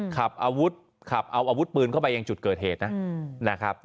ขับรถขับเอาอาวุธปืนเข้าไปยังจุดเกิดเหตุนะครับ